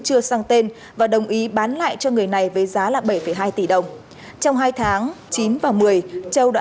không có tên và đồng ý bán lại cho người này với giá bảy hai tỷ đồng trong hai tháng chín và một mươi châu đã